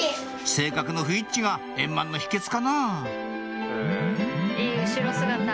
性格の不一致が円満の秘訣かな？